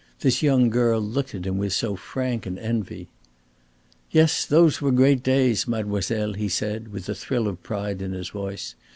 This young girl looked at him with so frank an envy. "Yes, those were great days, mademoiselle," he said, with a thrill of pride in his voice.